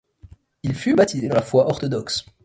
Il fut baptisé dans la foi orthodoxe.